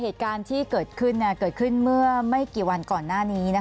เหตุการณ์ที่เกิดขึ้นเกิดขึ้นเมื่อไม่กี่วันก่อนหน้านี้